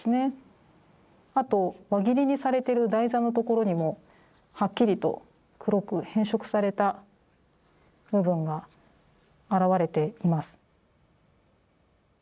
あと輪切りにされてる台座のところにもはっきりと黒く変色された部分が現れています。